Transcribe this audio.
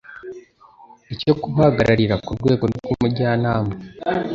icyo kubahagararira ku rwego rw'umujyanama